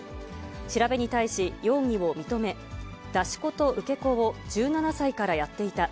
調べに対し、容疑を認め、出し子と受け子を１７歳からやっていた。